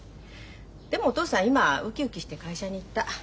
でもお父さん今ウキウキして会社に行った。